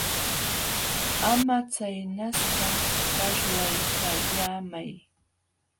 Ama chaynaspa, parlaykallaamay.